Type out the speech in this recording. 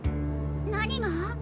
何が？